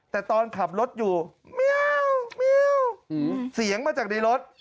แต่ตอนขับรถอยู่เมียวเสียงมาจากในรถ